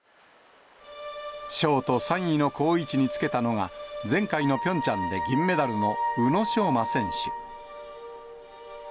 ショート３位の好位置につけたのが、前回のピョンチャンで銀メダルの宇野昌磨選手。